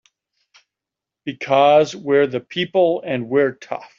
Because we're the people and we're tough!